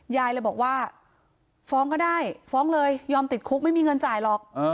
ยายเลยบอกว่าฟ้องก็ได้ฟ้องเลยยอมติดคุกไม่มีเงินจ่ายหรอก